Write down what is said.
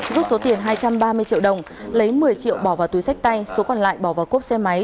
rút số tiền hai trăm ba mươi triệu đồng lấy một mươi triệu bỏ vào túi sách tay số còn lại bỏ vào cốp xe máy